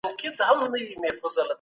ځینې پوښتنې دا اپلېکېشن نه ځوابوي.